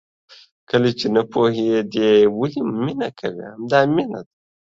کله چې نه پوهېدې ولې مینه کوې؟ همدا مینه ده.